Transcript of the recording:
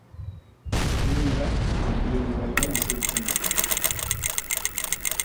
Bere urak Nerbioi ibaira isurtzen ditu.